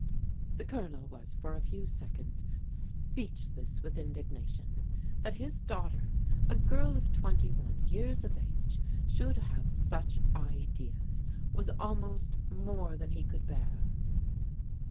The Colonel was for a few seconds speechless with indignation. That his daughter, a girl of twenty one years of age, should have such ideas was almost more than he could bear.